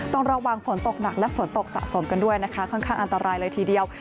ต้องระวังฝนตกหนักและฝนตกสะสมกันด้วยนะคะค่อนข้างอันตรายเลยทีเดียว